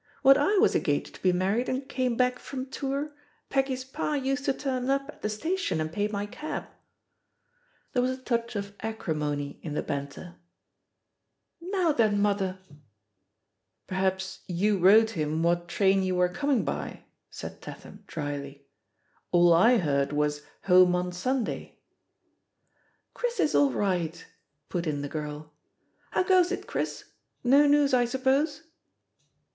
"When I was engaged to be married and came back from tour, Peggy's pa used to turn up at the station and pay my cab !" There was a touch of acrimony in the banter. fStO THE POSITION OF PEGGY HAKPEB Now then, mother r* *Terhaps you wrote him what train you were coming by?'' said Tatham drily. "'All I hear4 wasy 'Home on Sunday.' " "Chris is all right,'* put in the girL ^*How goes it, Cliris? No news, I suppose?"